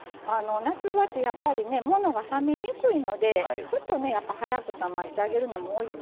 夏場ってやっぱりねものが冷めにくいのでやっぱり早く冷ましてあげるのもおいしさのコツなんですよ。